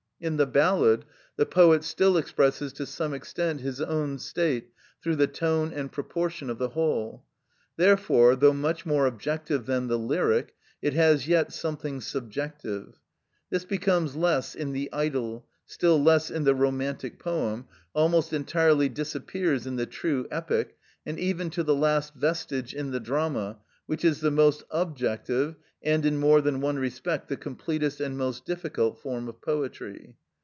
In the ballad the poet still expresses to some extent his own state through the tone and proportion of the whole; therefore, though much more objective than the lyric, it has yet something subjective. This becomes less in the idyll, still less in the romantic poem, almost entirely disappears in the true epic, and even to the last vestige in the drama, which is the most objective and, in more than one respect, the completest and most difficult form of poetry.